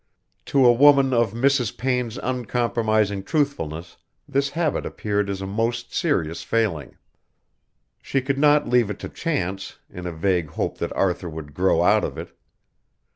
To a woman of Mrs. Payne's uncompromising truthfulness this habit appeared as a most serious failing. She could not leave it to chance, in a vague hope that Arthur would "grow out of it."